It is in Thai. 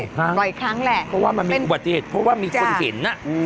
บ่อยครั้งแหละเพราะว่ามันมีอุบัติเหตุเพราะว่ามีคนเห็น